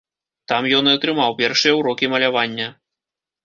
Там ён і атрымаў першыя ўрокі малявання.